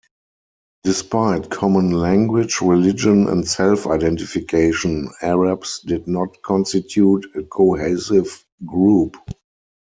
Despite common language, religion, and self-identification, Arabs did not constitute a cohesive group.